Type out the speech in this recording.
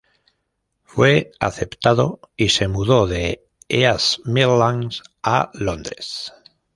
Fue aceptado, y se mudó de East Midlands a Londres.